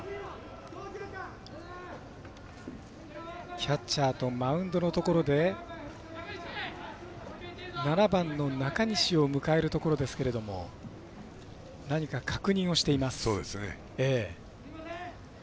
キャッチャーとマウンドのところで７番の中西を迎えるところですけども何か確認をしています。